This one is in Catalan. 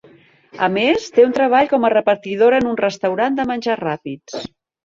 A més, té un treball com a repartidora en un restaurant de menjars ràpids.